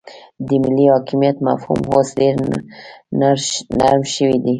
د ملي حاکمیت مفهوم اوس ډیر نرم شوی دی